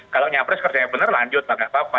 kalau nyapres kerjanya bener lanjut lah nggak apa apa